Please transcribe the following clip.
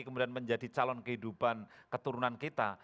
kemudian menjadi calon kehidupan keturunan kita